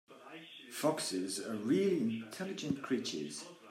Foxes are really intelligent creatures.